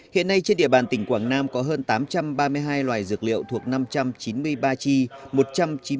hiện nay trên địa bàn tỉnh quảng nam có hơn tám trăm ba mươi hai loài dược liệu thuộc năm trăm chín mươi ba chi